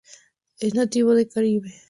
Es nativo del Caribe.